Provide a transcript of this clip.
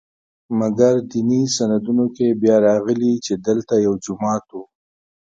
مګر دیني سندونو کې بیا راغلي چې دلته یو جومات و.